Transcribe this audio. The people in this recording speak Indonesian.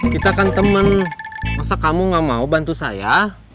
kita kan teman masa kamu gak mau bantu saya